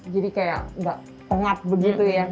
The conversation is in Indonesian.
jadi kayak nggak pengat begitu ya